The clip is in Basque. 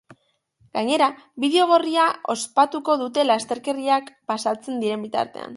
Gainera, bidegorria okupatuko dute lasterkariak pasatzen diren bitartean.